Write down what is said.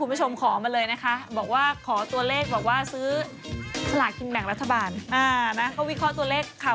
อร่อยกว่าไส้กรอกเนื้อสัตว์อีก